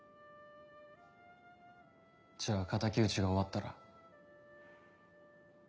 じゃあ敵討ちが終わったら？